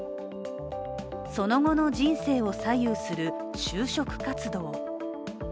その後の人生を左右する就職活動。